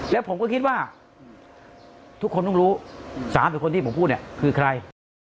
แล้วผมก็คิดว่าทุกคนต้องรู้๓หรือคนที่ผมพูดเนี่ยคือใคร